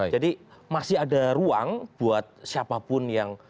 jadi masih ada ruang buat siapapun yang